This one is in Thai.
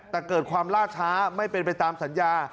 แต่เกิดความล่าช้าไม่เป็นไปตามสัญญา